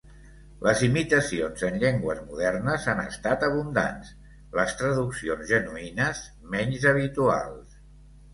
Les imitacions en llengües modernes han estat abundants, les traduccions genuïnes menys habituals.